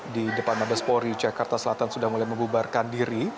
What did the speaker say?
di depan mabespori jakarta selatan sudah mulai membubarkan diri